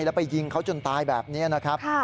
แล้วไปยิงเขาจนตายแบบนี้นะครับ